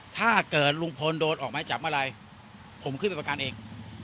ถ้าเกิดลุงพลโดดออกมาจากมารัยผมขึ้นไปประการเอง